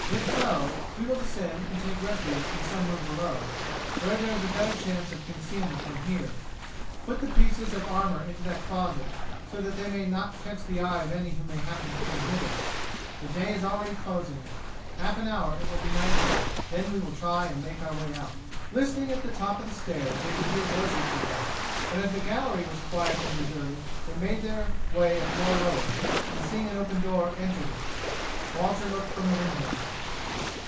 If so, we will descend and take refuge in some room below, where there is a better chance of concealment than here. Put the pieces of armour into that closet so that they may not catch the eye of any who may happen to come hither. The day is already closing. In half an hour it will be nightfall. Then we will try and make our way out." Listening at the top of the stairs they could hear voices below; but as the gallery was quiet and deserted they made their way a floor lower, and seeing an open door entered it. Walter looked from the window.